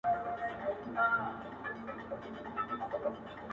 د اجل قاصد نیژدې سو کور یې وران سو!